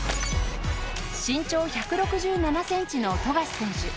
身長１６７センチの富樫選手。